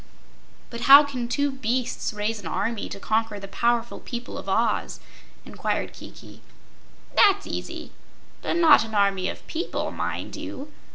"But how can two beasts raise an army to conquer the powerful people of Oz?" inquired Kiki. "That's easy. But not an army of PEOPLE, mind you.